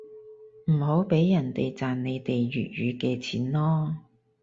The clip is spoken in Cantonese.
唔好畀人哋賺你哋粵語嘅錢囉